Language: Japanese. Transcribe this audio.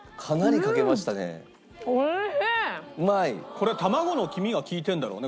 これ卵の黄身が利いてるんだろうね。